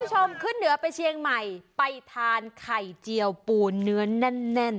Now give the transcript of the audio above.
คุณผู้ชมขึ้นเหนือไปเชียงใหม่ไปทานไข่เจียวปูเนื้อแน่นแน่น